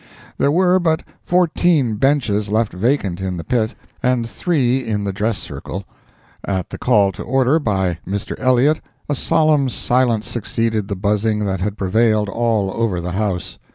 There were but fourteen benches left vacant in the pit, and three in the dress circle. At the call to order by Mr. Elliott, a solemn silence succeeded the buzzing that had prevailed all over the house.